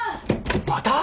また？